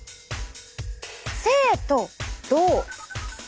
「静」と「動」！